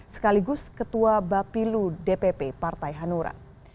sekaligus ketua bapilu dpp partai hanura